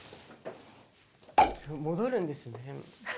戻るんですね。